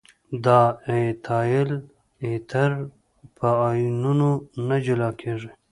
دای ایتایل ایتر په آیونونو نه جلا کیږي.